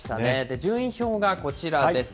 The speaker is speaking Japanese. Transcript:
順位表がこちらです。